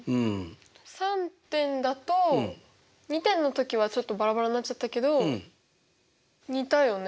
３点だと２点のときはちょっとバラバラになっちゃったけど似たよね？